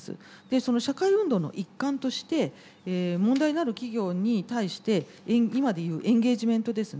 その社会運動の一環として問題のある企業に対して今でいうエンゲージメントですね